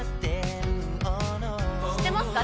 「知ってますか？